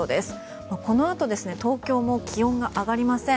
このあと東京も気温が上がりません。